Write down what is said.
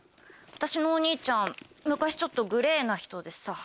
私のお兄ちゃん昔ちょっとグレーな人でさ。